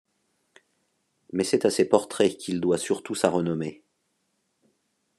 Mais c'est à ses portraits qu'il doit surtout sa renommée.